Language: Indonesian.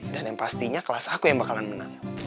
dan yang pastinya kelas aku yang bakalan menang